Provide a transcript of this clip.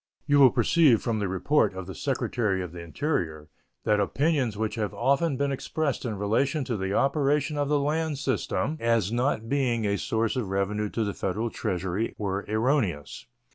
You will perceive from the report of the Secretary of the Interior that opinions which have often been expressed in relation to the operation of the land system as not being a source of revenue to the Federal Treasury were erroneous.